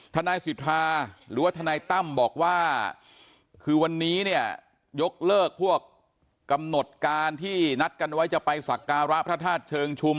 ทนายสิทธาหรือว่าทนายตั้มบอกว่าคือวันนี้เนี่ยยกเลิกพวกกำหนดการที่นัดกันไว้จะไปสักการะพระธาตุเชิงชุม